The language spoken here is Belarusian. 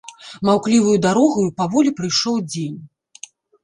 Маўкліваю дарогаю паволі прыйшоў дзень.